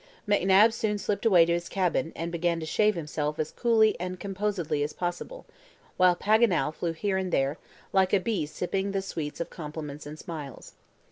McNabbs soon slipped away to his cabin, and began to shave himself as coolly and composedly as possible; while Paganel flew here and there, like a bee sipping the sweets of compliments and smiles.